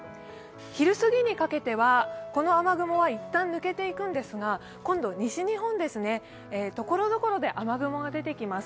昼過ぎにかけては、この雨雲は一旦抜けていくんですが、今度西日本ですね、ところどころで雨雲が出てきます。